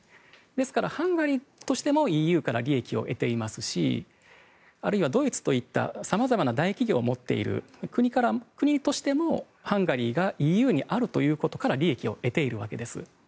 ですから、ハンガリーとしてもＥＵから利益を得ていますしあるいはドイツといった様々な大企業を持っている国としてもハンガリーがＥＵにあるということから利益を得ているわけです。